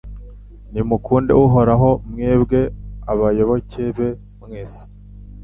Nimukunde Uhoraho mwebwe abayoboke be mwese